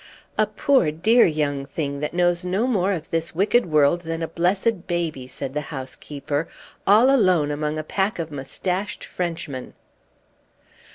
"A poor, dear young thing, that knows no more of this wicked world than a blessed baby," said the housekeeper, "all alone among a pack of mustached Frenchmen."